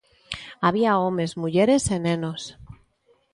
Había homes, mulleres e nenos.